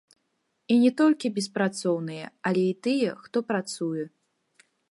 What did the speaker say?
І не толькі беспрацоўныя, але і тыя, хто працуе.